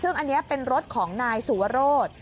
ซึ่งอันนี้เป็นรถของนายสุวรส